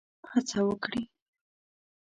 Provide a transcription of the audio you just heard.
هڅه وکړي.